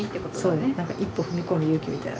そう何か一歩踏み込む勇気みたいな。